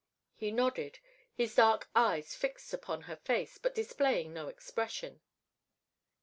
He nodded, his dark eyes fixed upon her face but displaying no expression.